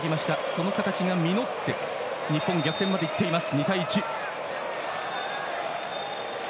その形が実って日本、逆転までいっています。